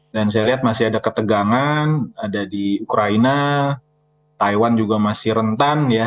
dan saya lihat masih ada ketegangan ada di ukraina taiwan juga masih rentan ya